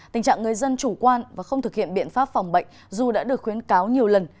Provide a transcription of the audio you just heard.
tình trạng người dân chủ quan và không thực hiện biện pháp phòng bệnh dù đã được khuyến cáo nhiều lần